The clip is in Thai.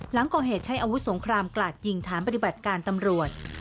หลังก่อเหตุใช้อาวุธสงครามกราดยิงฐานปฏิบัติการตำรวจ